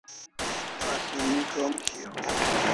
Asi mi krom shiau